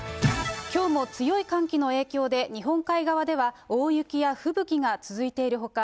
きょうも強い寒気の影響で、日本海側では大雪や吹雪が続いているほか、